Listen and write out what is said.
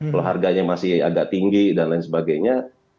kalau harganya masih agak tinggi dan lain sebagainya